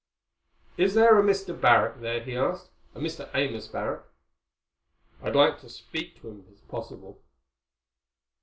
"Is there a Mr. Barrack there?" he asked. "A Mr. Amos Barrack. I'd like to speak to him if it's possible."